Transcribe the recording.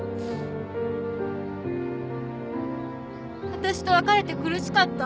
私と別れて苦しかった？